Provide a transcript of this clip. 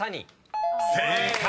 ［正解！